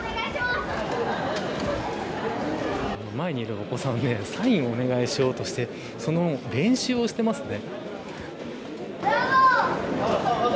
前にいるお子さんがサインお願いしようとしてその練習をしていますね。